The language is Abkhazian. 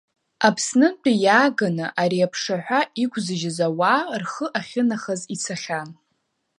Аԥснынтәи иааганы ари аԥшаҳәа иқәзыжьыз ауаа, рхы ахьынахаз ицахьан.